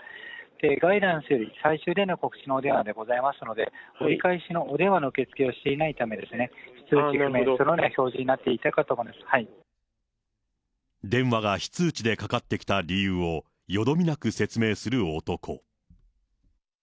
ガイダンスより最終での告知のお電話でございますので、折り返しのお電話の受け付けをしていないためですね、そのような電話が非通知でかかってきた理由を、よどみなく説明する男。